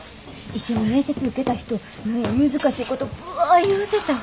一緒に面接受けた人何や難しいことバ言うてた。